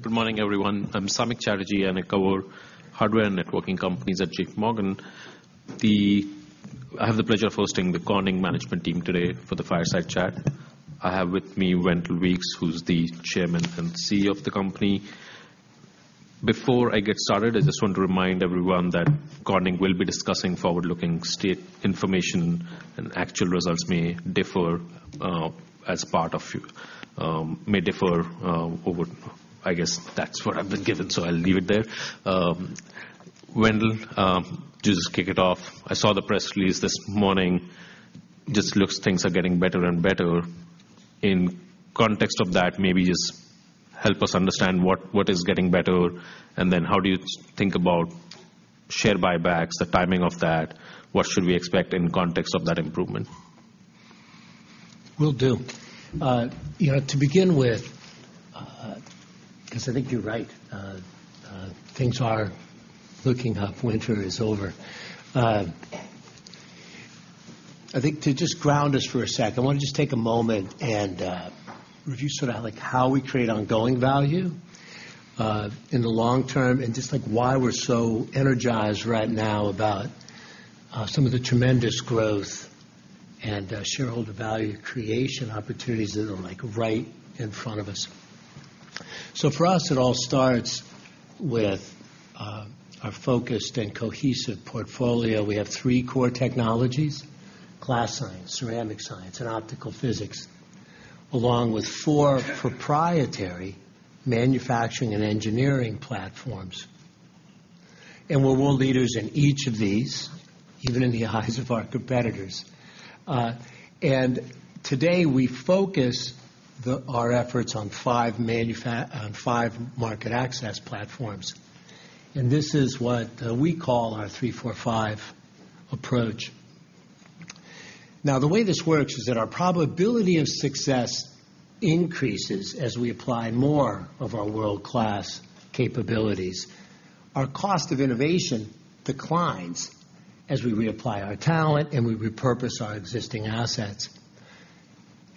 Good morning, everyone. I'm Samik Chatterjee, and I cover hardware and networking companies at JPMorgan. I have the pleasure of hosting the Corning management team today for the fireside chat. I have with me Wendell Weeks, who's the Chairman and CEO of the company. Before I get started, I just want to remind everyone that Corning will be discussing forward-looking statements, and actual results may differ. I guess that's what I've been given, so I'll leave it there. Wendell, to just kick it off, I saw the press release this morning. It looks like things are getting better and better. In context of that, maybe just help us understand what is getting better, and then how do you think about share buybacks, the timing of that? What should we expect in context of that improvement? Will do. You know, to begin with, because I think you're right, things are looking up, winter is over. I think to just ground us for a sec, I wanna just take a moment and review sort of, like, how we create ongoing value in the long term, and just, like, why we're so energized right now about some of the tremendous growth and shareholder value creation opportunities that are, like, right in front of us. So for us, it all starts with our focused and cohesive portfolio. We have three core technologies: glass science, ceramic science, and optical physics, along with four proprietary manufacturing and engineering platforms. And we're world leaders in each of these, even in the eyes of our competitors. Today, we focus our efforts on five market access platforms, and this is what we call our three-four-five approach. Now, the way this works is that our probability of success increases as we apply more of our world-class capabilities. Our cost of innovation declines as we reapply our talent and we repurpose our existing assets.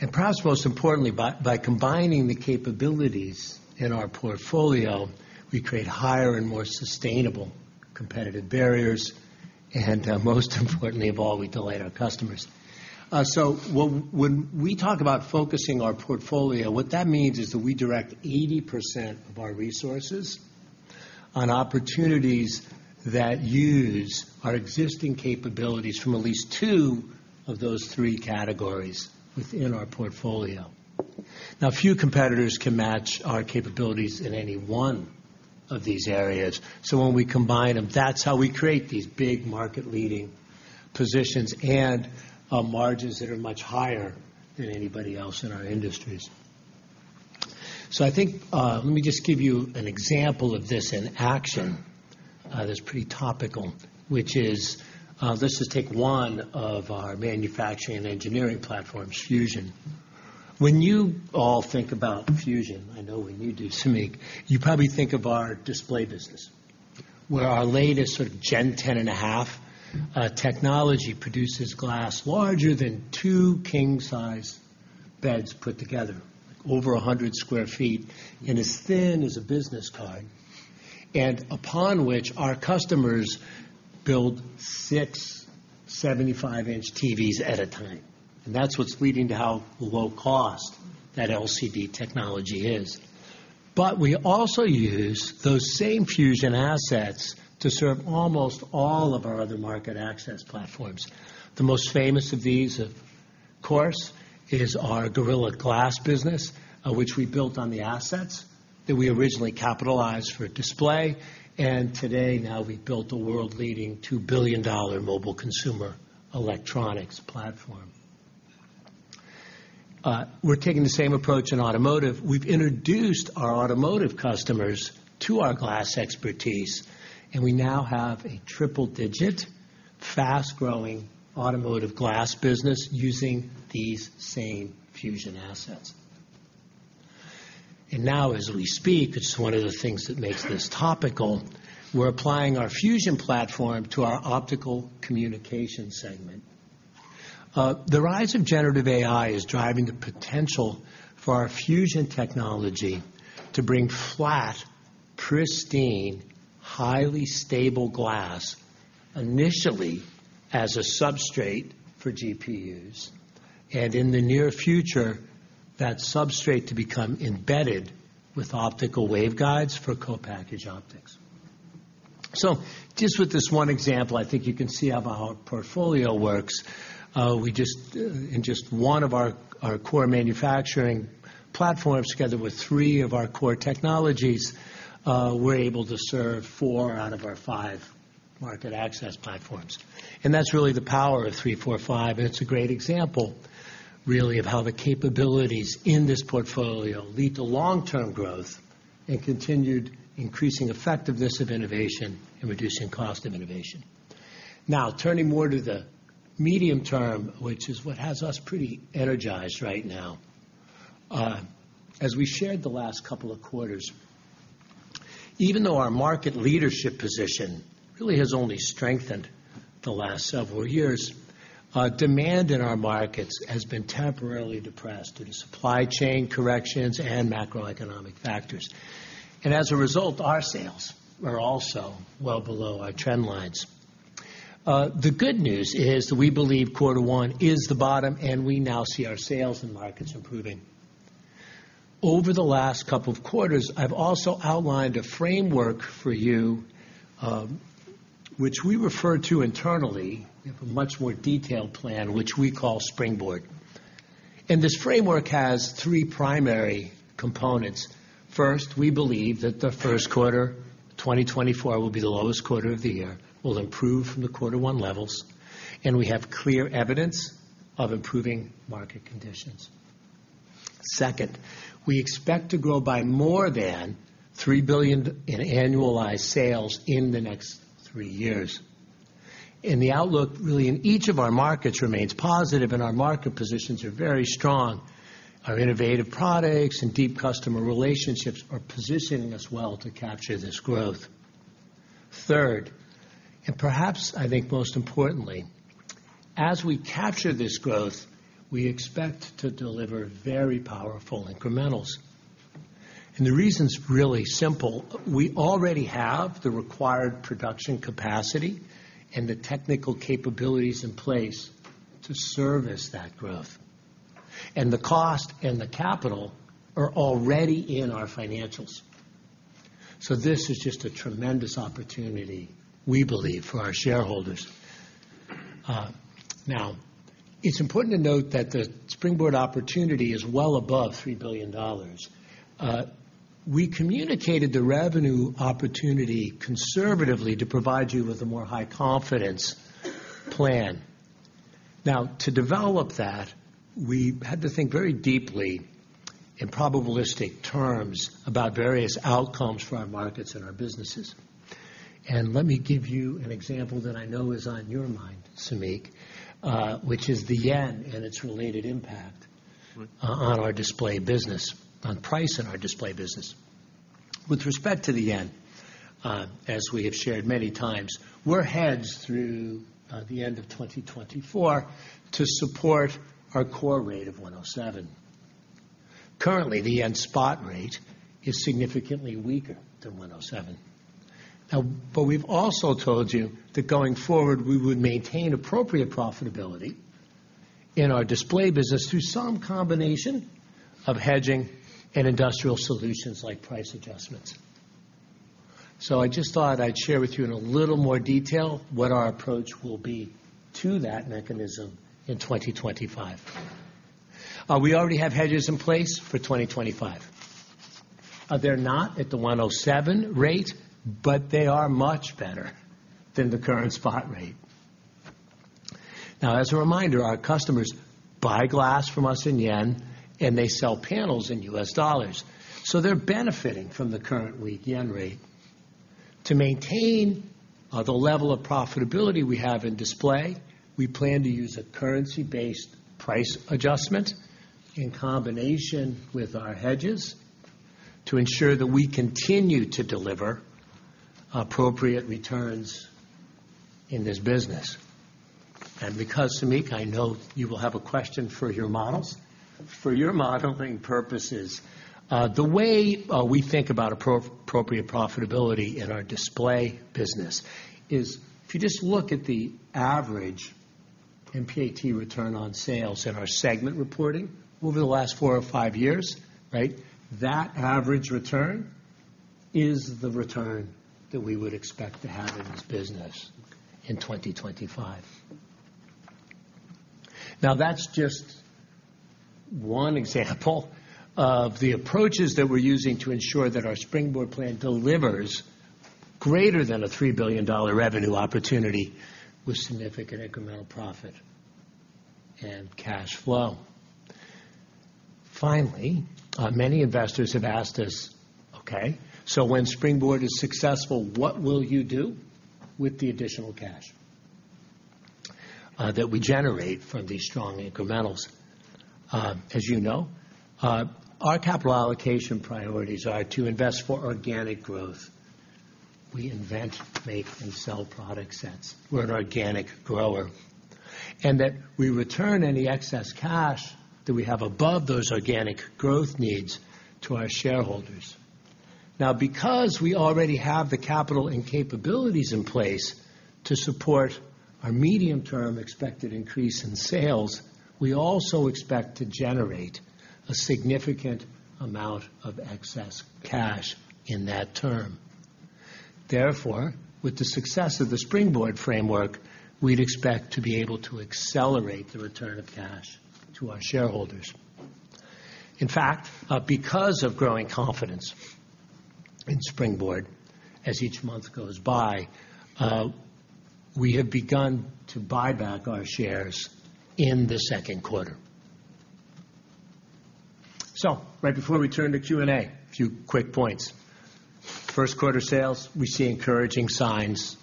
And perhaps most importantly, by combining the capabilities in our portfolio, we create higher and more sustainable competitive barriers, and most importantly of all, we delight our customers. So when we talk about focusing our portfolio, what that means is that we direct 80% of our resources on opportunities that use our existing capabilities from at least two of those three categories within our portfolio. Now, few competitors can match our capabilities in any one of these areas, so when we combine them, that's how we create these big market-leading positions and margins that are much higher than anybody else in our industries. So I think, let me just give you an example of this in action, that's pretty topical, which is, let's just take one of our manufacturing and engineering platforms, Fusion. When you all think about Fusion, I know when you do, Samik, you probably think of our display business, where our latest sort of Gen 10.5 technology produces glass larger than two king-size beds put together, over 100 sq ft, and as thin as a business card. Upon which our customers build six 75-inch TVs at a time, and that's what's leading to how low cost that LCD technology is. But we also use those same Fusion assets to serve almost all of our other market access platforms. The most famous of these, of course, is our Gorilla Glass business, which we built on the assets that we originally capitalized for display, and today, now we've built a world-leading $2 billion mobile consumer electronics platform. We're taking the same approach in automotive. We've introduced our automotive customers to our glass expertise, and we now have a triple-digit, fast-growing automotive glass business using these same Fusion assets. And now as we speak, it's one of the things that makes this topical, we're applying our Fusion platform to our optical communication segment. The rise of Generative AI is driving the potential for our Fusion technology to bring flat, pristine, highly stable glass, initially as a substrate for GPUs, and in the near future, that substrate to become embedded with optical waveguides for co-packaged optics. So just with this one example, I think you can see how our portfolio works. In just one of our core manufacturing platforms, together with three of our core technologies, we're able to serve four out of our five market access platforms. And that's really the power of three, four, five, and it's a great example, really, of how the capabilities in this portfolio lead to long-term growth and continued increasing effectiveness of innovation and reducing cost of innovation. Now, turning more to the medium term, which is what has us pretty energized right now. As we shared the last couple of quarters. Even though our market leadership position really has only strengthened the last several years, demand in our markets has been temporarily depressed due to supply chain corrections and macroeconomic factors. And as a result, our sales are also well below our trend lines. The good news is that we believe quarter one is the bottom, and we now see our sales and markets improving. Over the last couple of quarters, I've also outlined a framework for you, which we refer to internally, a much more detailed plan, which we call Springboard. And this framework has three primary components. First, we believe that the first quarter, 2024, will be the lowest quarter of the year, will improve from the quarter one levels, and we have clear evidence of improving market conditions. Second, we expect to grow by more than $3 billion in annualized sales in the next three years. The outlook, really, in each of our markets remains positive, and our market positions are very strong. Our innovative products and deep customer relationships are positioning us well to capture this growth. Third, and perhaps, I think, most importantly, as we capture this growth, we expect to deliver very powerful incrementals. The reason's really simple: We already have the required production capacity and the technical capabilities in place to service that growth, and the cost and the capital are already in our financials. So this is just a tremendous opportunity, we believe, for our shareholders. Now, it's important to note that the Springboard opportunity is well above $3 billion. We communicated the revenue opportunity conservatively to provide you with a more high-confidence plan. Now, to develop that, we had to think very deeply in probabilistic terms about various outcomes for our markets and our businesses. Let me give you an example that I know is on your mind, Samik, which is the yen and its related impact. Right... on our display business, on price in our display business. With respect to the yen, as we have shared many times, we're hedged through the end of 2024 to support our core rate of 107. Currently, the yen spot rate is significantly weaker than 107. Now, but we've also told you that going forward, we would maintain appropriate profitability in our display business through some combination of hedging and industrial solutions, like price adjustments. So I just thought I'd share with you in a little more detail what our approach will be to that mechanism in 2025. We already have hedges in place for 2025. They're not at the 107 rate, but they are much better than the current spot rate. Now, as a reminder, our customers buy glass from us in yen, and they sell panels in US dollars, so they're benefiting from the current weak yen rate. To maintain the level of profitability we have in display, we plan to use a currency-based price adjustment in combination with our hedges, to ensure that we continue to deliver appropriate returns in this business. And because, Samik, I know you will have a question for your models, for your modeling purposes, the way we think about appropriate profitability in our display business is if you just look at the average NPAT return on sales in our segment reporting over the last four or five years, right? That average return is the return that we would expect to have in this business in 2025. Now, that's just one example of the approaches that we're using to ensure that our Springboard plan delivers greater than a $3 billion revenue opportunity with significant incremental profit and cash flow. Finally, many investors have asked us, "Okay, so when Springboard is successful, what will you do with the additional cash, that we generate from these strong incrementals?" As you know, our capital allocation priorities are to invest for organic growth. We invent, make, and sell product sets. We're an organic grower, and that we return any excess cash that we have above those organic growth needs to our shareholders. Now, because we already have the capital and capabilities in place to support our medium-term expected increase in sales, we also expect to generate a significant amount of excess cash in that term. Therefore, with the success of the Springboard framework, we'd expect to be able to accelerate the return of cash to our shareholders. In fact, because of growing confidence in Springboard as each month goes by, we have begun to buy back our shares in the second quarter. So right before we turn to Q&A, a few quick points. First quarter sales, we see encouraging signs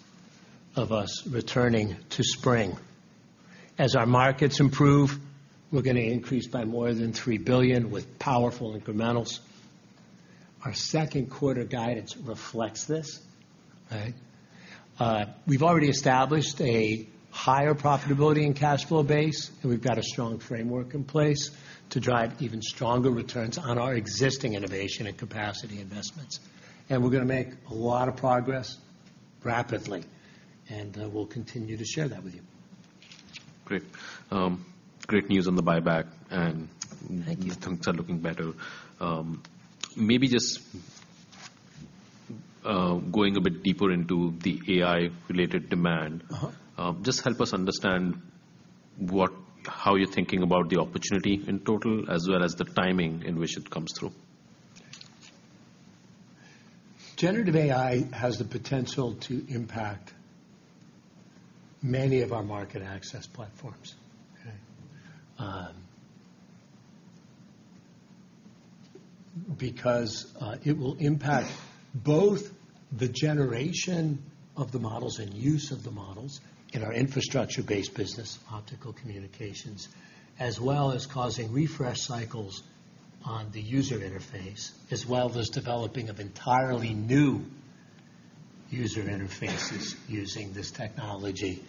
of us returning to Springboard as our markets improve, we're gonna increase by more than $3 billion with powerful incrementals. Our second quarter guidance reflects this, right? We've already established a higher profitability and cash flow base, and we've got a strong framework in place to drive even stronger returns on our existing innovation and capacity investments. And we're gonna make a lot of progress rapidly, and, we'll continue to share that with you. Great. Great news on the buyback, and- Thank you. Things are looking better. Maybe just going a bit deeper into the AI-related demand. Uh-huh. Just help us understand what, how you're thinking about the opportunity in total, as well as the timing in which it comes through? Generative AI has the potential to impact many of our market access platforms, okay? Because, it will impact both the generation of the models and use of the models in our infrastructure-based business, optical communications, as well as causing refresh cycles on the user interface, as well as developing of entirely new user interfaces using this technology,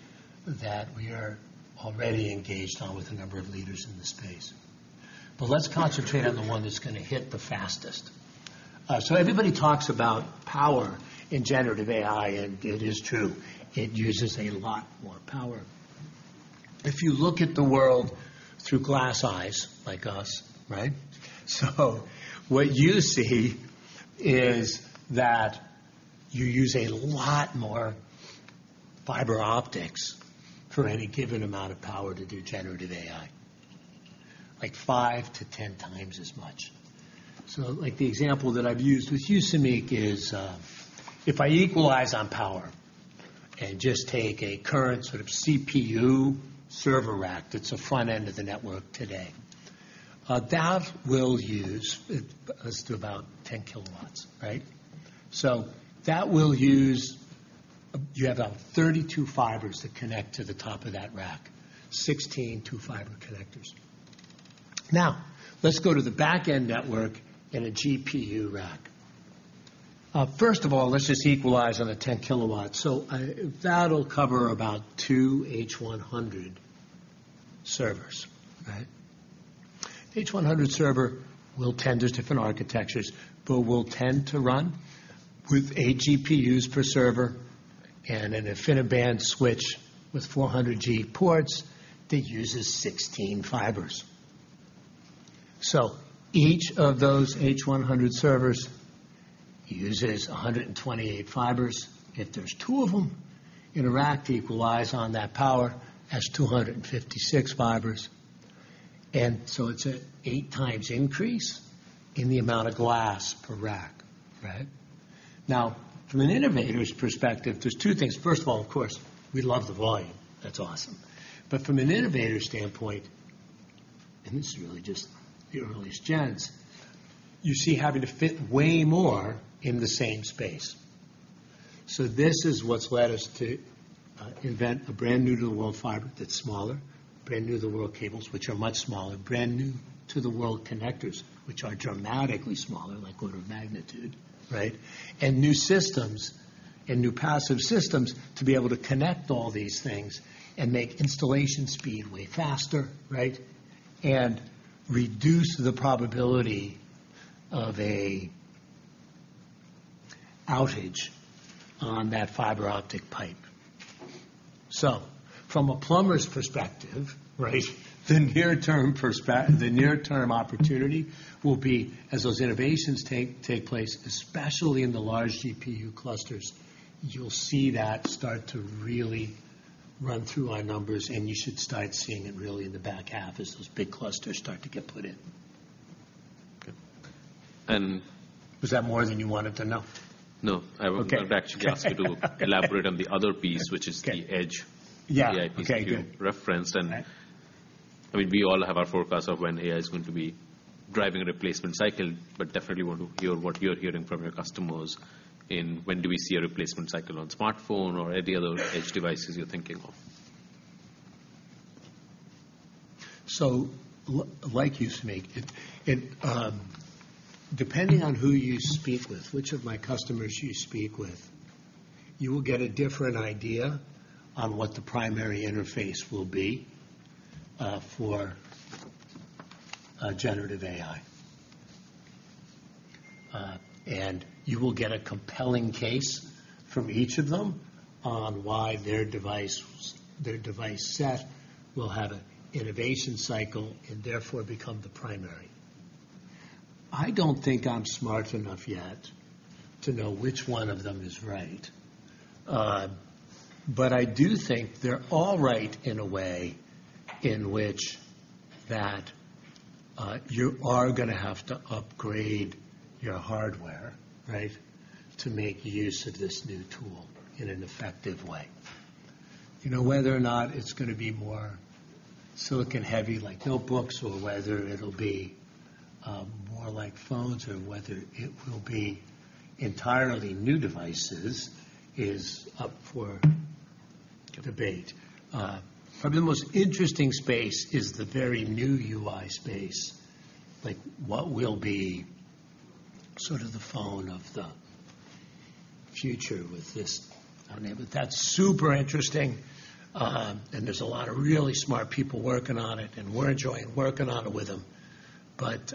that we are already engaged on with a number of leaders in the space. But let's concentrate on the one that's gonna hit the fastest. So everybody talks about power in generative AI, and it is true, it uses a lot more power. If you look at the world through glass eyes, like us, right? So what you see is that you use a lot more fiber optics for any given amount of power to do generative AI, like 5x-10x as much. So, like, the example that I've used with you, Samik, is, if I equalize on power and just take a current sort of CPU server rack, that's the front end of the network today, that will use, let's do about 10 kW, right? So that will use... You have about 32 fibers that connect to the top of that rack, 16 two-fiber connectors. Now, let's go to the back-end network in a GPU rack. First of all, let's just equalize on a 10 kW. So, that'll cover about 2 H100 servers, right? H100 server will tend, there's different architectures, but will tend to run with 8 GPUs per server and an InfiniBand switch with 400 G ports, that uses 16 fibers. So each of those H100 servers uses 128 fibers. If there's two of them in a rack to equalize on that power, that's 256 fibers, and so it's an 8x increase in the amount of glass per rack, right? Now, from an innovator's perspective, there's two things. First of all, of course, we love the volume. That's awesome. But from an innovator's standpoint, and this is really just the earliest gens, you see having to fit way more in the same space. So this is what's led us to invent a brand new to the world fiber that's smaller, brand new to the world cables, which are much smaller, brand new to the world connectors, which are dramatically smaller, like order of magnitude, right? And new systems and new passive systems to be able to connect all these things and make installation speed way faster, right? And reduce the probability of an outage on that fiber optic pipe. So from a plumber's perspective, right, the near term opportunity will be, as those innovations take place, especially in the large GPU clusters, you'll see that start to really run through our numbers, and you should start seeing it really in the back half as those big clusters start to get put in. Okay. And- Was that more than you wanted to know? No. Okay. I would actually ask you to elaborate on the other piece, which is the edge. Yeah. The IP you referenced. Okay, good. I mean, we all have our forecasts of when AI is going to be driving a replacement cycle, but definitely want to hear what you're hearing from your customers in when do we see a replacement cycle on smartphone or any other edge devices you're thinking of? So like you, Samik, and depending on who you speak with, which of my customers you speak with, you will get a different idea on what the primary interface will be for Generative AI. And you will get a compelling case from each of them on why their device, their device set will have an innovation cycle and therefore become the primary. I don't think I'm smart enough yet to know which one of them is right, but I do think they're all right in a way in which that you are gonna have to upgrade your hardware, right, to make use of this new tool in an effective way. You know, whether or not it's gonna be more silicon-heavy, like notebooks, or whether it'll be more like phones or whether it will be entirely new devices is up for debate. Probably the most interesting space is the very new UI space, like what will be sort of the phone of the future with this? I mean, but that's super interesting, and there's a lot of really smart people working on it, and we're enjoying working on it with them, but,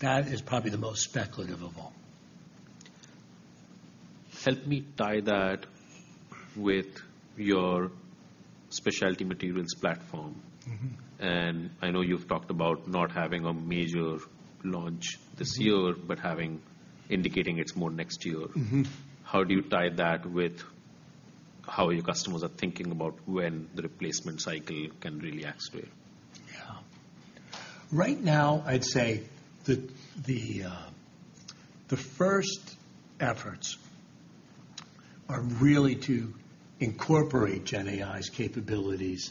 that is probably the most speculative of all. Help me tie that with your Specialty Materials platform. Mm-hmm. I know you've talked about not having a major launch this year- Mm-hmm. But having, indicating it's more next year. Mm-hmm. How do you tie that with how your customers are thinking about when the replacement cycle can really activate? Yeah. Right now, I'd say the first efforts are really to incorporate GenAI's capabilities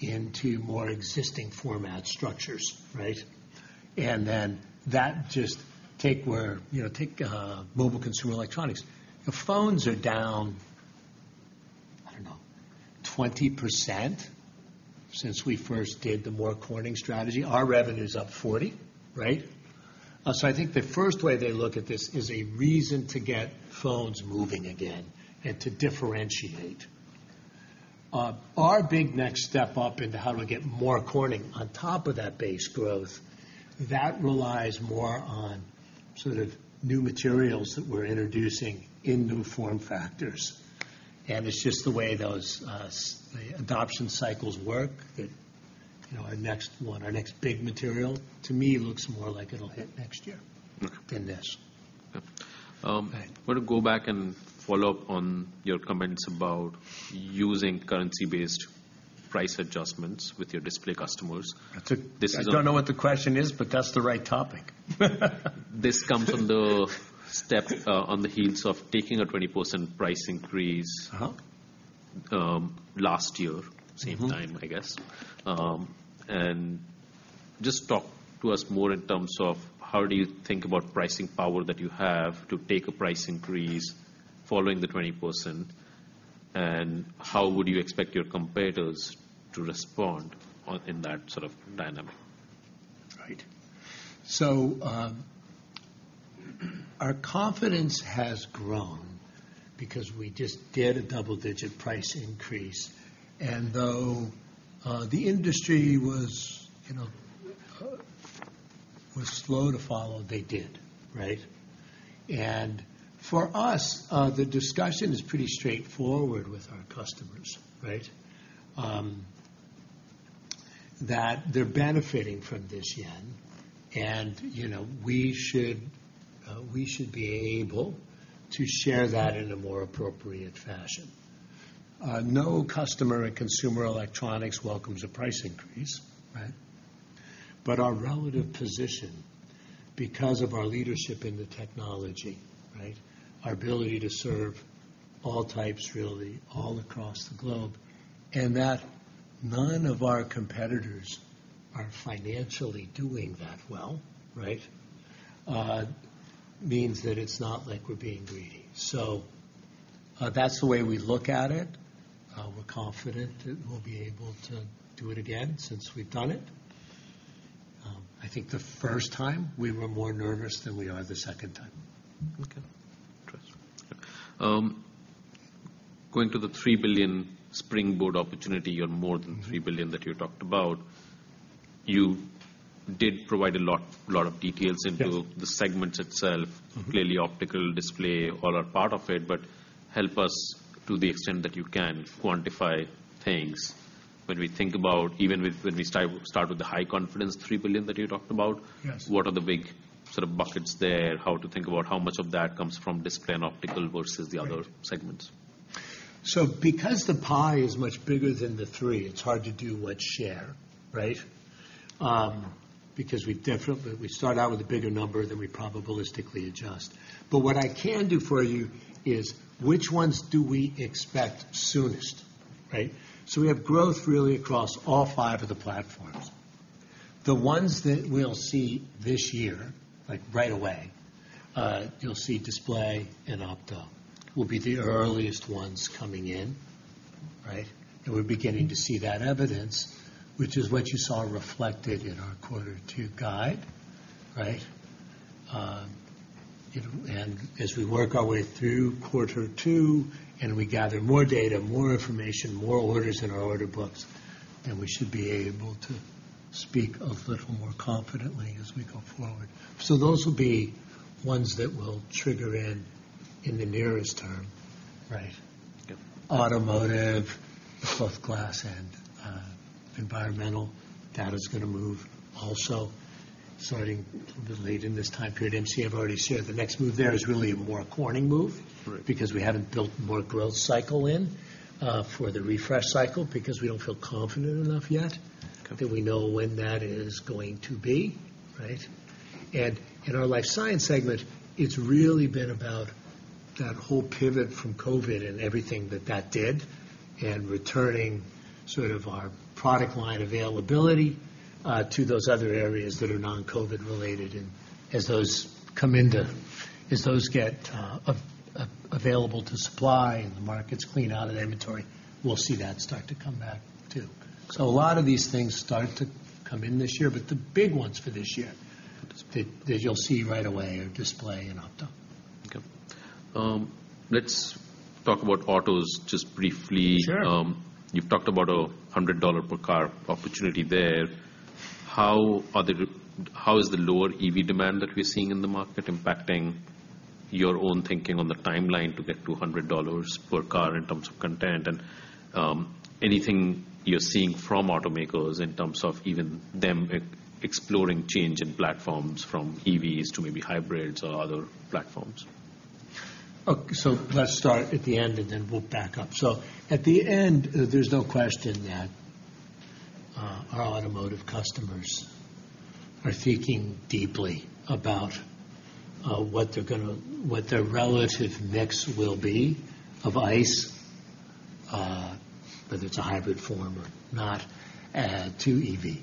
into more existing format structures, right? And then that just take where, you know, take mobile consumer electronics. The phones are down, I don't know, 20% since we first did the More Corning strategy. Our revenue's up 40%, right? So I think the first way they look at this is a reason to get phones moving again and to differentiate. Our big next step up into how do I get more Corning on top of that base growth, that relies more on sort of new materials that we're introducing in new form factors. And it's just the way those adoption cycles work, that, you know, our next one, our next big material, to me, looks more like it'll hit next year- Okay. -than this. Okay. I want to go back and follow up on your comments about using currency-based price adjustments with your display customers. That's a- This is a- I don't know what the question is, but that's the right topic. This comes from the step, on the heels of taking a 20% price increase- Uh-huh. last year. Mm-hmm. Same time, I guess. Just talk to us more in terms of how do you think about pricing power that you have to take a price increase following the 20%, and how would you expect your competitors to respond on, in that sort of dynamic? Right. So, our confidence has grown because we just did a double-digit price increase, and though, the industry was, you know, was slow to follow, they did, right? And for us, the discussion is pretty straightforward with our customers, right? That they're benefiting from this yen, and, you know, we should, we should be able to share that in a more appropriate fashion. No customer in consumer electronics welcomes a price increase, right? But our relative position, because of our leadership in the technology, right, our ability to serve all types, really, all across the globe, and that none of our competitors are financially doing that well, right, means that it's not like we're being greedy. So, that's the way we look at it. We're confident that we'll be able to do it again since we've done it. I think the first time we were more nervous than we are the second time. Okay, thanks. Going to the $3 billion Springboard opportunity or more than $3 billion that you talked about, you did provide a lot, a lot of details into- Yes. the segments itself. Mm-hmm. Clearly, optical display, all are part of it, but help us to the extent that you can quantify things. When we think about, even with, when we start with the high confidence, $3 billion that you talked about- Yes. What are the big sort of buckets there? How to think about how much of that comes from display and optical versus the other segments? So because the pie is much bigger than the three, it's hard to do what share, right? Because we definitely, we start out with a bigger number than we probabilistically adjust. But what I can do for you is, which ones do we expect soonest, right? So we have growth really across all five of the platforms. The ones that we'll see this year, like right away, you'll see display and opto, will be the earliest ones coming in, right? And we're beginning to see that evidence, which is what you saw reflected in our quarter two guide, right? And as we work our way through quarter two, and we gather more data, more information, more orders in our order books, then we should be able to speak a little more confidently as we go forward. Those will be ones that will trigger in the nearest term, right? Yep. Automotive, phone glass, and environmental, that is gonna move also, starting late in this time period, and see, I've already shared the next move there is really a More Corning move- Right. -because we haven't built more growth cycle in, for the refresh cycle because we don't feel confident enough yet- Okay... that we know when that is going to be, right? And in our life science segment, it's really been about that whole pivot from COVID and everything that that did, and returning sort of our product line availability to those other areas that are non-COVID related. And as those get available to supply, and the markets clean out of the inventory, we'll see that start to come back, too. So a lot of these things start to come in this year, but the big ones for this year, that you'll see right away are display and opto. Okay. Let's talk about autos just briefly. Sure. You've talked about a $100 per car opportunity there. How is the lower EV demand that we're seeing in the market impacting your own thinking on the timeline to get to $100 per car in terms of content? And, anything you're seeing from automakers in terms of even them exploring change in platforms from EVs to maybe hybrids or other platforms? Okay, so let's start at the end, and then we'll back up. So at the end, there's no question that our automotive customers are thinking deeply about what their relative mix will be of ICE, whether it's a hybrid form or not, to EV.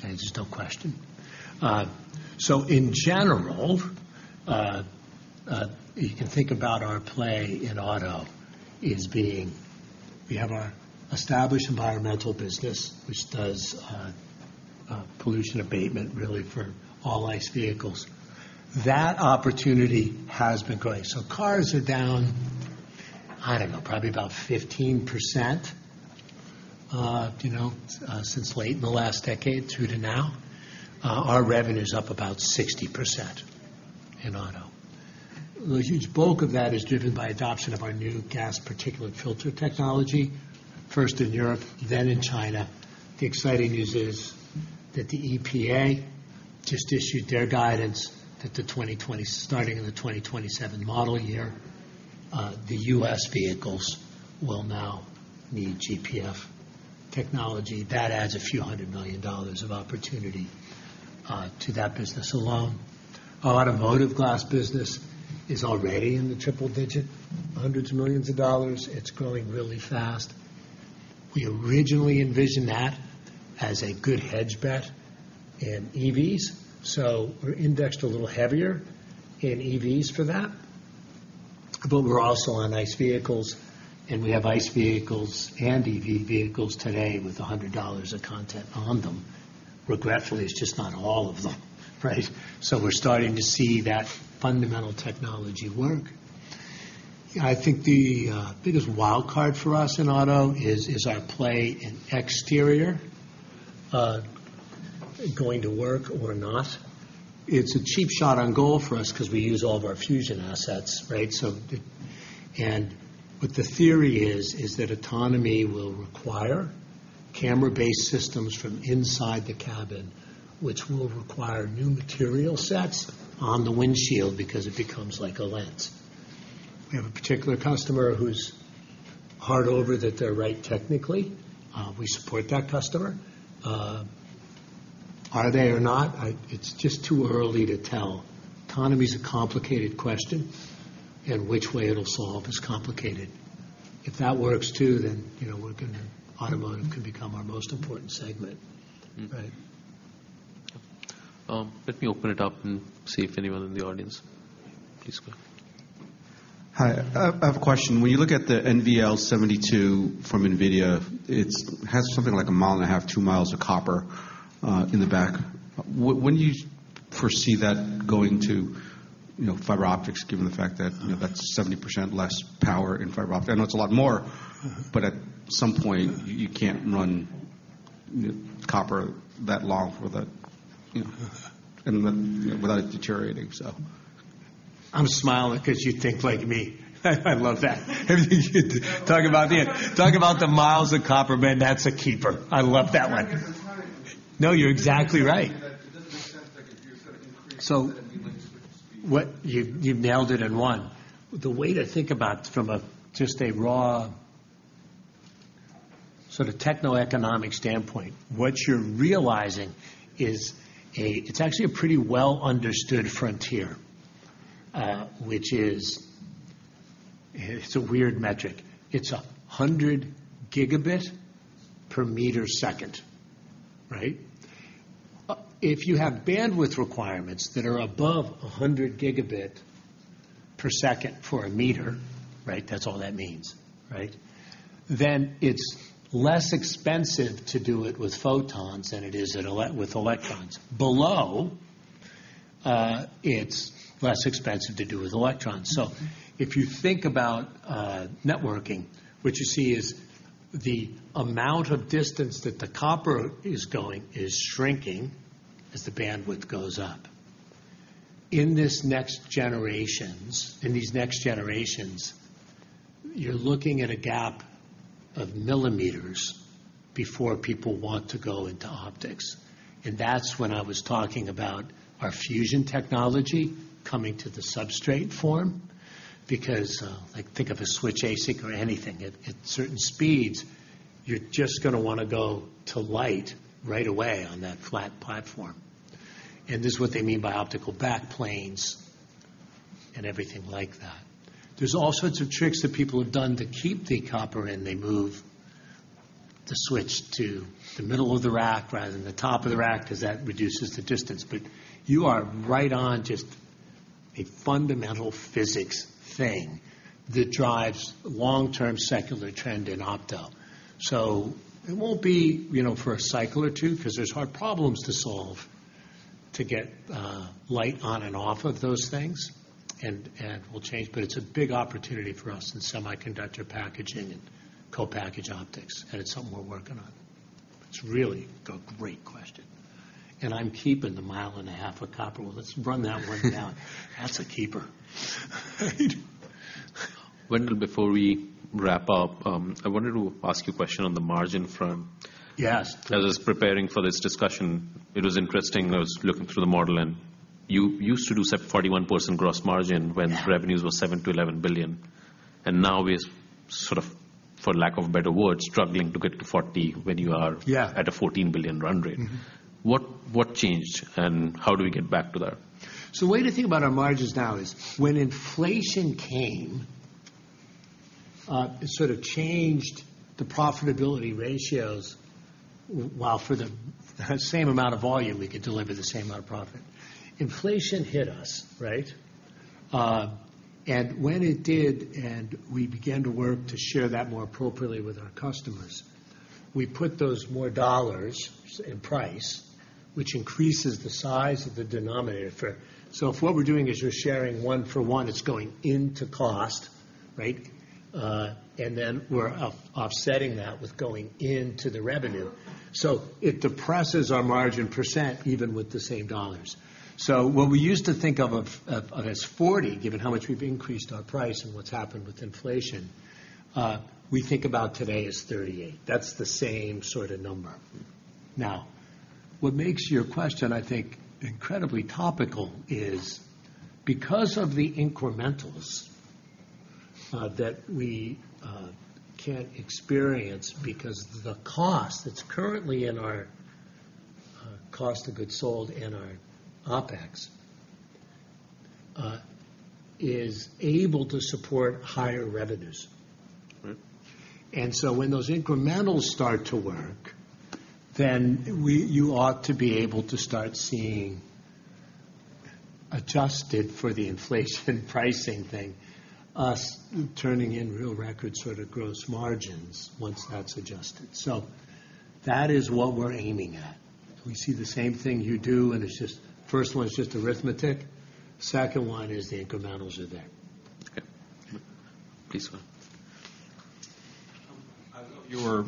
There's just no question. So in general, you can think about our play in auto as being, we have our established environmental business, which does pollution abatement, really, for all ICE vehicles. That opportunity has been growing. So cars are down, I don't know, probably about 15%, you know, since late in the last decade through to now. Our revenue's up about 60% in auto. The huge bulk of that is driven by adoption of our new gas particulate filter technology, first in Europe, then in China. The exciting news is that the EPA just issued their guidance that starting in the 2027 model year, the U.S. vehicles will now need GPF technology. That adds a few $100 million of opportunity to that business alone. Our automotive glass business is already in the triple-digit hundreds of $1 million. It's growing really fast. We originally envisioned that as a good hedge bet in EVs, so we're indexed a little heavier in EVs for that, but we're also on ICE vehicles, and we have ICE vehicles and EV vehicles today with $100 of content on them. Regretfully, it's just not all of them, right? So we're starting to see that fundamental technology work. I think the biggest wild card for us in auto is our play in exterior going to work or not. It's a cheap shot on goal for us 'cause we use all of our Fusion assets, right? So the theory is that autonomy will require camera-based systems from inside the cabin, which will require new material sets on the windshield because it becomes like a lens. We have a particular customer who's hard over that they're right technically. We support that customer. Are they or not? It's just too early to tell. Autonomy's a complicated question, and which way it'll solve is complicated. If that works, too, then, you know, automotive could become our most important segment, right? Let me open it up and see if anyone in the audience... Please go. Hi, I have a question. When you look at the NVL72 from NVIDIA, it has something like 1.5 miles, two miles of copper in the back. When do you foresee that going to, you know, fiber optics, given the fact that, you know, that's 70% less power in fiber optics? I know it's a lot more, but at some point, you can't run copper that long with, you know, and then without it deteriorating, so. I'm smiling because you think like me. I love that. Talk about the, talk about the miles of copper, man, that's a keeper. I love that one. Yeah, I mean, it's not a. No, you're exactly right. It doesn't make sense, like, if you're gonna increase the speed. You've nailed it in one. The way to think about from a just raw sort of techno-economic standpoint, what you're realizing is It's actually a pretty well-understood frontier, which is. It's a weird metric. It's 100 gigabit per meter second, right? If you have bandwidth requirements that are above 100 gigabit per second for a meter, right? That's all that means, right? Then it's less expensive to do it with photons than it is with electrons. Below, it's less expensive to do with electrons. So if you think about networking, what you see is the amount of distance that the copper is going is shrinking as the bandwidth goes up. In these next generations, you're looking at a gap of millimeters before people want to go into optics, and that's when I was talking about our Fusion technology coming to the substrate form, because, like, think of a switch ASIC or anything, at certain speeds, you're just gonna wanna go to light right away on that flat platform... and this is what they mean by optical back planes and everything like that. There's all sorts of tricks that people have done to keep the copper in. They move the switch to the middle of the rack rather than the top of the rack, 'cause that reduces the distance. But you are right on just a fundamental physics thing that drives long-term secular trend in opto. So it won't be, you know, for a cycle or two, 'cause there's hard problems to solve to get light on and off of those things, and, and will change, but it's a big opportunity for us in semiconductor packaging and co-packaged optics, and it's something we're working on. It's really a great question, and I'm keeping the mile and a half of copper. Well, let's run that one down. That's a keeper. Wendell, before we wrap up, I wanted to ask you a question on the margin front. Yes. As I was preparing for this discussion, it was interesting. I was looking through the model, and you used to do 41% gross margin- Yeah. -when revenues were $7 billion-$11 billion, and now we are sort of, for lack of a better word, struggling to get to $40 billion when you are- Yeah at a $14 billion run rate. Mm-hmm. What, what changed, and how do we get back to that? So the way to think about our margins now is, when inflation came, it sort of changed the profitability ratios, while for the same amount of volume, we could deliver the same amount of profit. Inflation hit us, right? And when it did, and we began to work to share that more appropriately with our customers, we put those more dollars in price, which increases the size of the denominator for it. So if what we're doing is you're sharing one for one, it's going into cost, right? And then we're offsetting that with going into the revenue. So it depresses our margin %, even with the same dollars. So what we used to think of as 40, given how much we've increased our price and what's happened with inflation, we think about today as 38. That's the same sort of number. Now, what makes your question, I think, incredibly topical is because of the incrementals that we can't experience, because the cost that's currently in our cost of goods sold and our OpEx is able to support higher revenues. Right. So when those incrementals start to work, then we, you ought to be able to start seeing, adjusted for the inflation pricing thing, us turning in real record sort of gross margins once that's adjusted. So that is what we're aiming at. We see the same thing you do, and it's just, first one is just arithmetic, second one is the incrementals are there. Okay. Thanks a lot. Your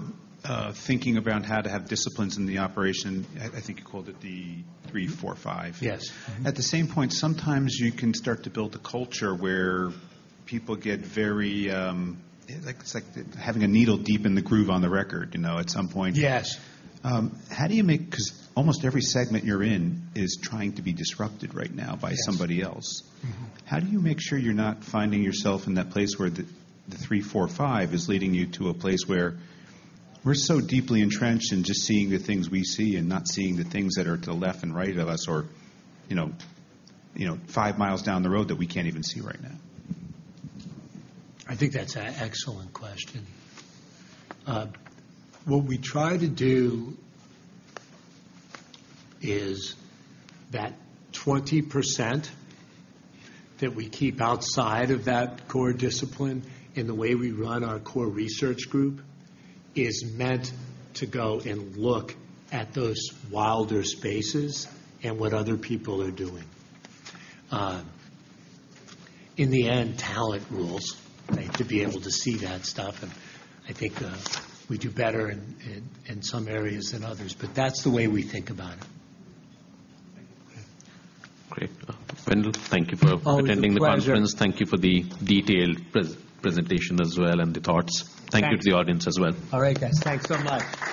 thinking around how to have disciplines in the operation, I think you called it the three, four, five. Yes. Mm-hmm. At the same point, sometimes you can start to build a culture where people get very. It's like, it's like having a needle deep in the groove on the record, you know, at some point. Yes. How do you make—'cause almost every segment you're in is trying to be disrupted right now by- Yes -somebody else. Mm-hmm. How do you make sure you're not finding yourself in that place where the three, four, five is leading you to a place where we're so deeply entrenched in just seeing the things we see and not seeing the things that are to the left and right of us or, you know, you know, five miles down the road that we can't even see right now? I think that's an excellent question. What we try to do is that 20% that we keep outside of that core discipline in the way we run our core research group, is meant to go and look at those wilder spaces and what other people are doing. In the end, talent rules, right? To be able to see that stuff, and I think, we do better in some areas than others, but that's the way we think about it. Thank you. Great. Wendell, thank you for- Oh, it's a pleasure.... attending the conference. Thank you for the detailed presentation as well and the thoughts. Thanks. Thank you to the audience as well. All right, guys. Thanks so much.